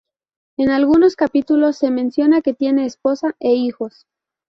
En algunos capítulos se menciona que tiene esposa e hijos.